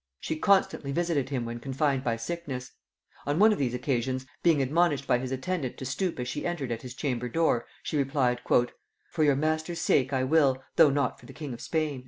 She constantly visited him when confined by sickness: on one of these occasions, being admonished by his attendant to stoop as she entered at his chamber door, she replied, "For your master's sake I will, though not for the king of Spain."